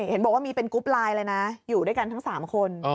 เห็นบอกว่ามีเป็นกรุ๊ปไลน์เลยนะอยู่ด้วยกันทั้ง๓คน